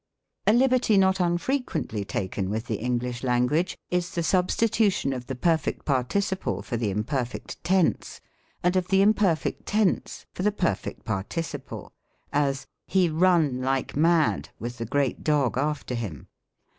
A liberty not unfrequently taken with the English Language, is the substitution of the perfect participle for the imperfect tense, and of the imperfect tense for the perfect participle : as, " He run like mad, with the great dog after him."